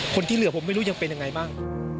คนที่เหลือผมไม่รู้ยังเป็นยังไงบ้าง